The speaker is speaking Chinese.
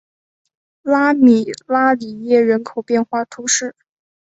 拉米拉里耶人口变化图示